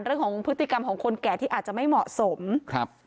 เรื่องของพฤติกรรมของคนแก่ที่อาจจะไม่เหมาะสมครับ